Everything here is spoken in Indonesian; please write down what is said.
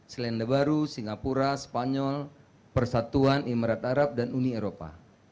selenebaru singapura spanyol persatuan imarat arab dan uni eropa